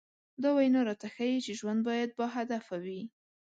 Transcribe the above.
دا وينا راته ښيي چې ژوند بايد باهدفه وي.